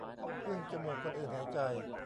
พึ่งจมูกคนอื่นหายใจ